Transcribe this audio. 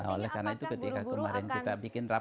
oleh karena itu ketika kemarin kita bikin rapat